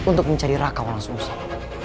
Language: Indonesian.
untuk mencari raka'ah yang susah